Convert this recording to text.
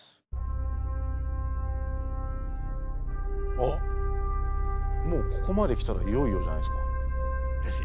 あっもうここまで来たらいよいよじゃないですか。